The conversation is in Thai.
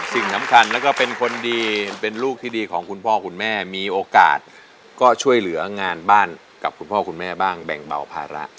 สิ่งสำคัญแล้วก็เป็นคนดีเป็นลูกที่ดีของคุณพ่อคุณแม่มีโอกาสก็ช่วยเหลืองานบ้านกับคุณพ่อคุณแม่บ้างแบ่งเบาภาระ